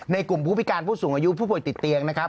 กลุ่มผู้พิการผู้สูงอายุผู้ป่วยติดเตียงนะครับ